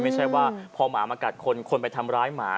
ไม่ใช่ว่าพอหมามากัดคนคนไปทำร้ายหมา